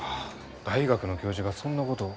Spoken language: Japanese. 大学の教授がそんなことを。